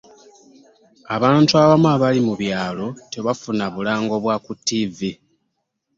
abantu abamu abali mu byalo tebafuna bulango bwa ku ttivi.